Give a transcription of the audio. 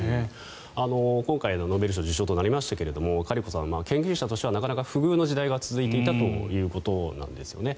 今回のノーベル賞受賞となりましたがカリコさんは研究者としてはなかなか不遇の時代が続いていたということなんです。